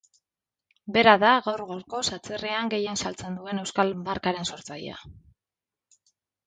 Bera da gaur gaurkoz atzerrian gehien saltzen duen euskal markaren sortzailea.